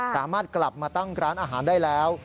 สามารถกลับมาตั้งร้านอาหารได้แล้ว